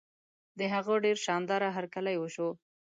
د هغه ډېر شان داره هرکلی وشو.